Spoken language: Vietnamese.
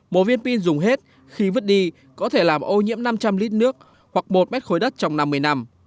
một viên pin dùng hết khi vứt đi có thể làm ô nhiễm năm trăm linh lít nước hoặc một mét khối đất trong năm mươi năm